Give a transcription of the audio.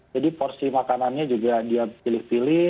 jadi porsi makanannya juga dia pilih pilih